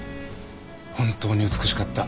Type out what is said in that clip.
本当に美しかった。